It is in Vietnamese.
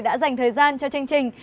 đã dành thời gian cho chương trình